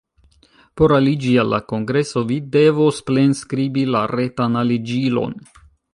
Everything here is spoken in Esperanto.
Por aliĝi al la kongreso, vi devos plenskribi la retan aliĝilon.